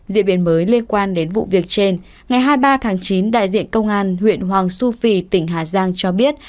diễn biến mới liên quan đến vụ việc trên ngày hai mươi ba tháng chín đại diện công an huyện hoàng su phi tỉnh hà giang cho biết